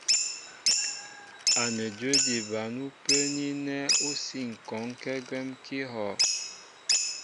Anədwə́ di bǎn ú pə́ə́ní ánɛ́ ú sí ŋ̀hɔ́ɔ́nkɛ́ gwɛ́m kɛ́ íhɔ́'.